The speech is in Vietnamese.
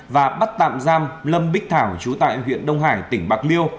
và bắt tạm giam lâm bích thảo chú tại huyện đông hải tỉnh bạc liêu